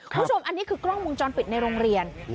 คุณผู้ชมอันนี้คือกล้องวงจรปิดในโรงเรียน